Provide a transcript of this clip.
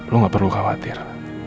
lo gak perlu khawatir